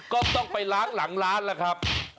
ก็ต้องไปล้างหลังร้านล่ะครับ